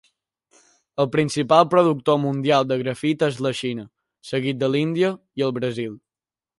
El principal productor mundial de grafit és la Xina, seguit de l'Índia i el Brasil.